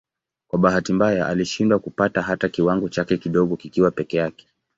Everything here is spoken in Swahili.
Kwa bahati mbaya alishindwa kupata hata kiwango chake kidogo kikiwa peke yake.